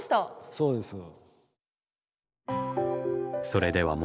そうですね。